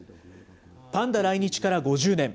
パンダ来日から５０年。